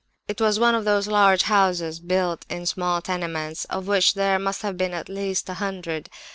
It was one of those large houses built in small tenements, of which there must have been at least a hundred.